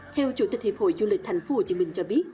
theo chủ tịch hiệp hội du lịch thành phố hồ chí minh cho biết